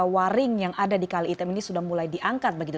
waring yang ada di kali item ini sudah mulai diangkat begitu